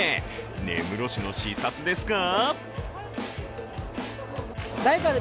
根室市の視察ですか？